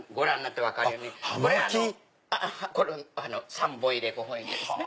３本入れ５本入れですね。